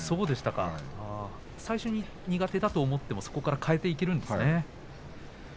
最初に苦手だと思ってもそこから変えていけるんですね。